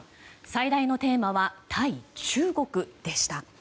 最大のテーマは対中国でした。